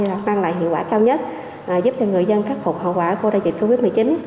đã mang lại hiệu quả cao nhất giúp cho người dân khắc phục hậu quả của đại dịch covid một mươi chín